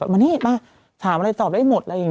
สอบไม่มาถอบได้หมด